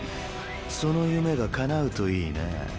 その夢がかなうといいなぁ。